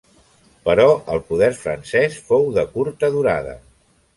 Però el poder francès fou de curta durada.